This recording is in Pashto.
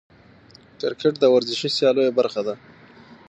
کرکټ د ورزشي سیالیو برخه ده.